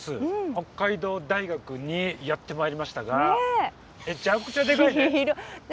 北海道大学にやって参りましたがめちゃくちゃデカいね。